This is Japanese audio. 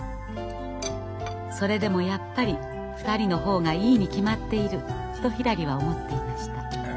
それでもやっぱり２人の方がいいに決まっているとひらりは思っていました。